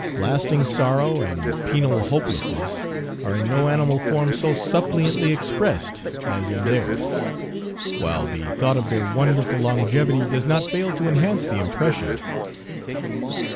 Lasting sorrow and penal hopelessness are in no animal form so suppliantly expressed as in theirs; while the thought of their wonderful longevity does not fail to enhance the impression.